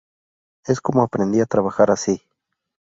Es como aprendí a trabajar así".